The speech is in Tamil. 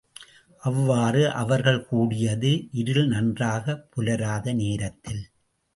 அவ்வாறு அவர்கள் கூடியது இருள் நன்றாகப் புலராத நேரத்தில்.